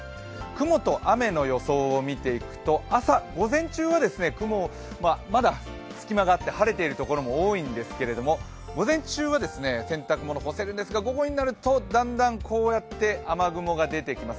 雲と雨の予想を見ていくと、朝、午前中は雲、まだ隙間があって晴れているところも多いんですが午前中は洗濯物を干せるんですが、午後になるとだんだん雨雲が出てきます。